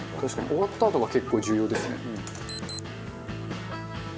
終わったあとが結構重要ですね。